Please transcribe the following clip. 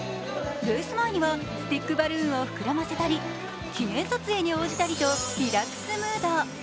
レース前にはスティックバルーンを膨らませたり、記念撮影に応じたりとリラックスムード。